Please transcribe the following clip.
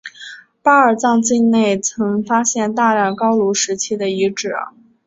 巴尔藏境内曾发现大量高卢时期的遗址。